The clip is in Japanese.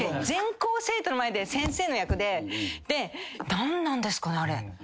何なんですかねあれ。